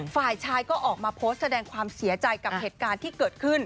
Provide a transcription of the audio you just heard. ฝ่ายชายก็ออกมาโพสต์แสดงความเสียใจกับเหตุการณ์ที่เกิดขึ้น